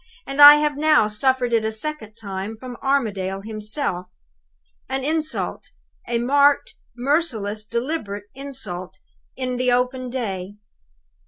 And I have now suffered it a second time from Armadale himself. An insult a marked, merciless, deliberate insult in the open day!